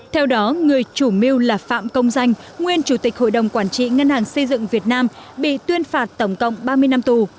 theo đó người chủ mưu là phạm công danh nguyên chủ tịch hội đồng quản trị ngân hàng xây dựng việt nam bị tuyên phạt tổng cộng ba mươi năm tù